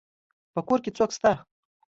په کور کي څوک سته.